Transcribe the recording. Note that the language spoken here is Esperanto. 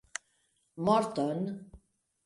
Morton!